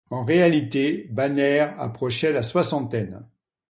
En réalité, Banner approchait la soixantaine.